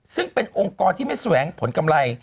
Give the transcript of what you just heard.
ซึ่งเป็นองค์กรที่ไม่แสวงผลกำไร